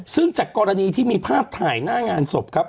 ซึ่งจากกรณีที่มีภาพถ่ายหน้างานศพครับ